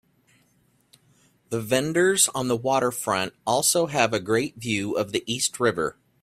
The vendors on the waterfront also have a great view of the East River.